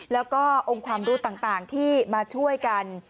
แล้วก็องค์ความรู้ต่างที่มาช่วยกัน